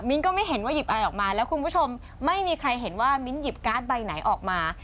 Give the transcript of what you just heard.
ก็ไม่เห็นว่าหยิบอะไรออกมาแล้วคุณผู้ชมไม่มีใครเห็นว่ามิ้นหยิบการ์ดใบไหนออกมา